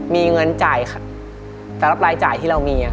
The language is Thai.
มีเงินจ่ายแต่ละรายจ่ายที่เรามี